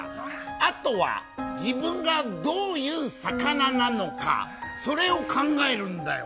あとは自分がどういう魚なのかそれを考えるんだよ。